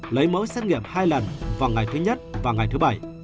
lấy mẫu xét nghiệm hai lần vào ngày thứ nhất và ngày thứ bảy